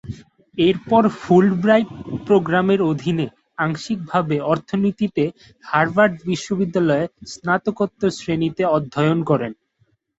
এরপর ফুলব্রাইট প্রোগ্রামের অধীনে আংশিকভাবে অর্থনীতিতে হার্ভার্ড বিশ্ববিদ্যালয়ে স্নাতকোত্তর শ্রেণীতে অধ্যয়ন করেন।